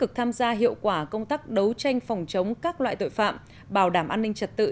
thực tham gia hiệu quả công tác đấu tranh phòng chống các loại tội phạm bảo đảm an ninh trật tự